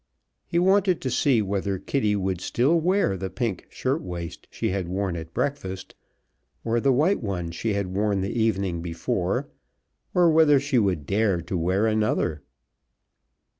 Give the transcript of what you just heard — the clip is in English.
He wanted to see whether Kitty would still wear the pink shirt waist she had worn at breakfast, or the white one she had worn the evening before, or whether she would dare to wear another.